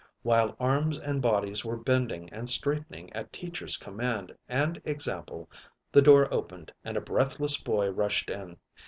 While arms and bodies were bending and straightening at Teacher's command and example, the door opened and a breathless boy rushed in.